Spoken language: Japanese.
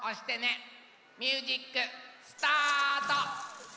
ミュージックスタート！